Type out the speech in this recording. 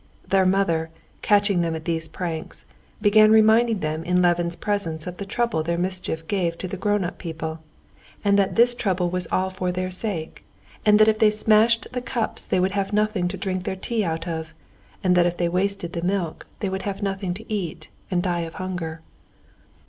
Their mother, catching them at these pranks, began reminding them in Levin's presence of the trouble their mischief gave to the grown up people, and that this trouble was all for their sake, and that if they smashed the cups they would have nothing to drink their tea out of, and that if they wasted the milk, they would have nothing to eat, and die of hunger.